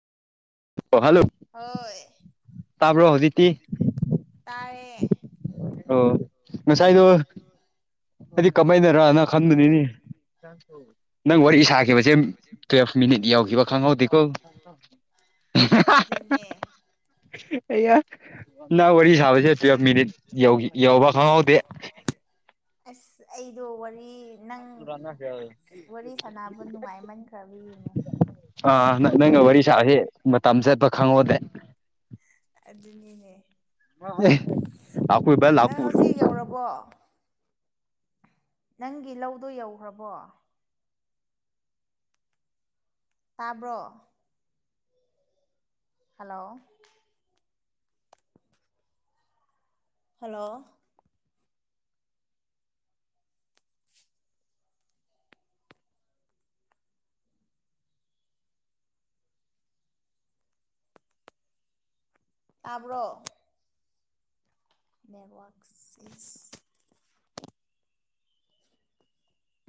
ꯍꯣꯢ ꯇꯥꯕ꯭ꯔꯣ ꯍꯧꯖꯤꯛꯇꯤ ꯇꯥꯢꯌꯦ ꯑꯣ ꯉꯁꯥꯢꯗꯨ ꯑꯩꯗꯤ ꯀꯃꯥꯢꯅꯔꯅ ꯈꯟꯕꯅꯤꯅꯤ ꯆꯥꯛ ꯊꯣꯡꯉꯣꯢ ꯅꯪ ꯋꯥꯔꯤ ꯁꯥꯈꯤꯕꯖꯦ ꯇꯨꯋꯦꯜꯞ ꯃꯤꯅꯤꯠ ꯌꯥꯎꯈꯤꯕ ꯈꯪꯍꯧꯗꯦꯀꯣ ꯑ ꯑꯗꯨꯅꯦ ꯑꯌꯥ ꯅꯪ ꯋꯥꯔꯤ ꯁꯥꯕꯁꯦ ꯇꯨꯋꯦꯚ ꯃꯤꯅꯤꯠ ꯌꯧ ꯌꯧꯕ ꯈꯪꯍꯧꯗꯦ ꯑꯁ ꯑꯩꯗꯣ ꯋꯥꯔꯤ ꯅꯪ ꯋꯥꯔꯤ ꯁꯥꯟꯅꯕ ꯅꯨꯡꯉꯥꯏꯃꯟꯈ꯭ꯔꯕ ꯌꯦꯡꯉꯨ ꯑꯥ ꯅꯪꯒ ꯋꯥꯔꯤ ꯁꯥꯕꯁꯦ ꯃꯇꯝ ꯆꯠꯄ ꯈꯪꯍꯧꯗꯦ ꯑꯗꯨꯅꯤꯅꯦ ꯅꯪ ꯍꯧꯖꯤꯛ ꯌꯧꯔꯕꯣ ꯅꯪꯒꯤ ꯂꯧꯗꯣ ꯌꯧꯈ꯭ꯔꯕꯣ ꯇꯥꯕ꯭ꯔꯣ ꯍꯜꯂꯣ ꯍꯜꯂꯣ ꯇꯥꯕ꯭ꯔꯣ ꯅꯦꯠꯋꯥꯛꯁ [inaudible]